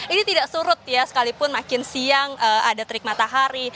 ini tidak surut ya sekalipun makin siang ada terik matahari